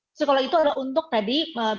psikolog itu untuk tadi